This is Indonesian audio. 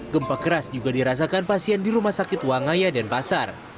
gempa keras juga dirasakan pasien di rumah sakit wangaya dan pasar